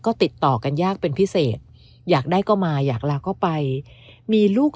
ก็ติดต่อกันยากเป็นพิเศษอยากได้ก็มาอยากลาก็ไปมีลูก